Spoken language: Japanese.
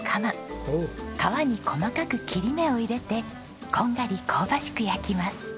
皮に細かく切り目を入れてこんがり香ばしく焼きます。